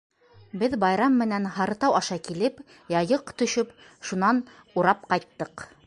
Беҙ Байрам менән Һарытау аша килеп, Яйыҡ төшөп, шунан урап ҡайттыҡ...